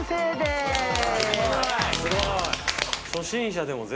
・すごい！